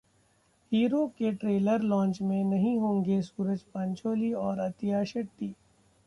hero के trailer launch में नहीं होंगे सूरज पंचोली और अतिया शेट्टी